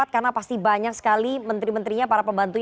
karena pasti banyak sekali menteri menterinya para pembantunya